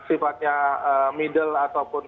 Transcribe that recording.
sifatnya middle ataupun